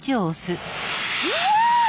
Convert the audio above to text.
うわ！